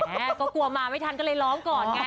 ก็กลัวมาไม่ทันก็เลยร้องก่อนไง